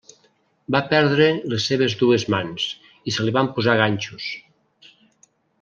Va perdre les seves dues mans, i se li van posar ganxos.